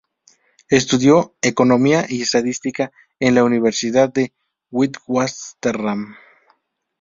Estudió economía y estadística en la Universidad de Witwatersrand.